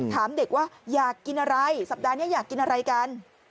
ถามเด็กว่าอยากกินอะไรสัปดาห์นี้อยากกินอะไรกัน